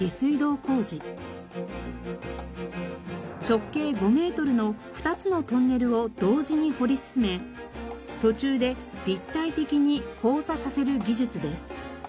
直径５メートルの２つのトンネルを同時に掘り進め途中で立体的に交差させる技術です。